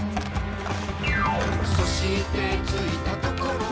「そして着いたところは」